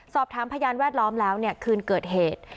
พยานแวดล้อมแล้วคืนเกิดเหตุ